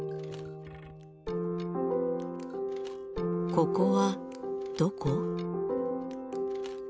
ここはどこ？